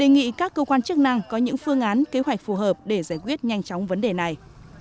nghĩ các cơ quan chức năng có những phương án kế hoạch phù hợp để giải quyết nhanh chóng vấn đề này